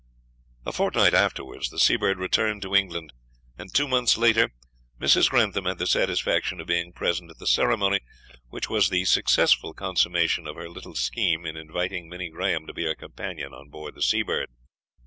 A fortnight afterwards the Seabird returned to England, and two months later Mrs. Grantham had the satisfaction of being present at the ceremony which was the successful consummation of her little scheme in inviting Minnie Graham to be her companion on board the Seabird.